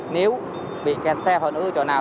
nếu bị kẹt xe hoặc ưu chỗ nào